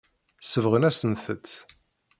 Sebɣen-asent-tt.